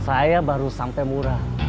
saya baru sampai murah